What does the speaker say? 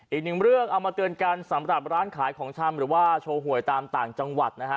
อีกหนึ่งเรื่องเอามาเตือนกันสำหรับร้านขายของชำหรือว่าโชว์หวยตามต่างจังหวัดนะฮะ